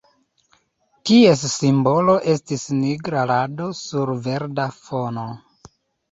Ties simbolo estis nigra rado sur verda fono.